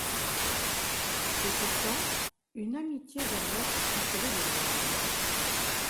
Et pourtant, une amitié va naître entre les deux hommes...